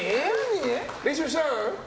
練習したん？